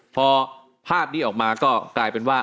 พอภาพนี้ออกมาก็กลายเป็นว่า